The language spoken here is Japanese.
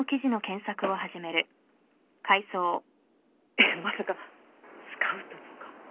えっまさかスカウトとか？